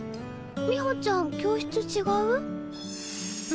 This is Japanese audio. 美穂ちゃん教室違う？